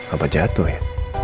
apa jatuh ya